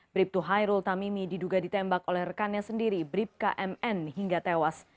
bribtu hairul tamimi diduga ditembak oleh rekannya sendiri bribka mn hingga tewas